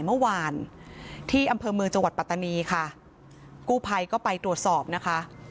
เมื่อวานที่อำเภอเมืองจังหวัดปัตตานีค่ะกู้ภัยก็ไปตรวจสอบนะคะ